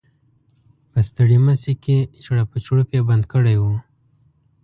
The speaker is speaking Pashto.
په ستړيمشې کې چړپ چړوپ یې بند کړی و.